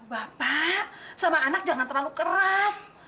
bapak sama anak jangan terlalu keras